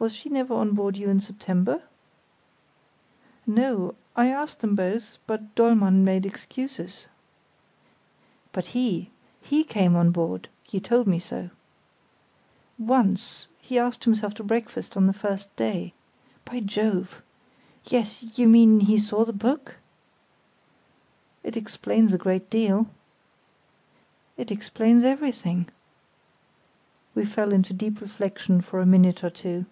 "Was she never on board you in September?" "No; I asked them both, but Dollmann made excuses." "But he—he came on board? You told me so." "Once; he asked himself to breakfast on the first day. By Jove! yes; you mean he saw the book? "It explains a good deal." "It explains everything." We fell into deep reflexion for a minute or two.